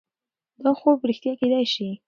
دا خوب رښتیا کیدای شي.